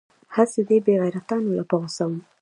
هسې دې بې غيرتانو له په غوسه وم.